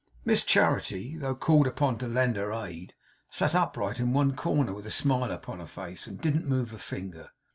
Miss Charity, though called upon to lend her aid, sat upright in one corner, with a smile upon her face, and didn't move a finger.